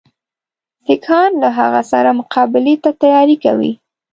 سیکهان له هغه سره مقابلې ته تیاری کوي.